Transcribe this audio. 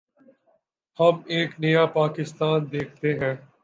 ہم ایک نیا پاکستان دیکھتے ہیں۔